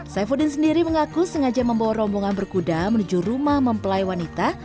saifuddin sendiri mengaku sengaja membawa rombongan berkuda menuju rumah mempelai wanita